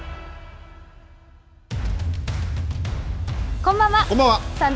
こんばんは。